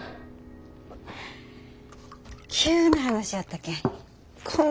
急な話やったけんこん